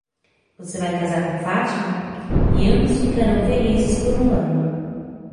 Você vai casar com Fatima? e ambos ficarão felizes por um ano.